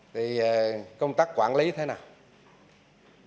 thì công tác quản lý thế nào